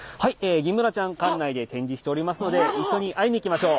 ギンブナちゃん館内で展示しておりますので一緒に会いに行きましょう。